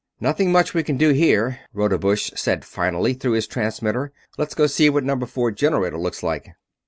"Nothing much we can do here," Rodebush said finally, through his transmitter. "Let's go see what number four generator looks like."